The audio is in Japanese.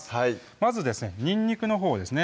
まずですねにんにくのほうですね